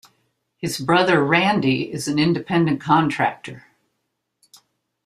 His brother, Randy, is an independent contractor.